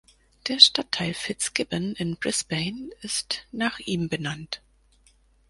Der Stadtteil Fitzgibbon in Brisbane ist nach ihm benannt.